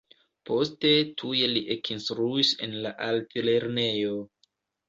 Poste tuj li ekinstruis en la Altlernejo.